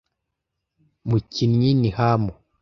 mukinnyi ni ham.